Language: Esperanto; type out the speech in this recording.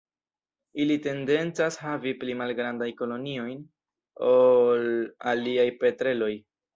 Ili tendencas havi pli malgrandajn koloniojn ol aliaj petreloj.